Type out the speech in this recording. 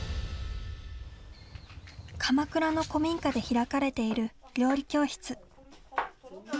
鎌倉の古民家で開かれている料理教室。